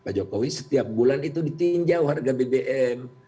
pak jokowi setiap bulan itu ditinjau harga bbm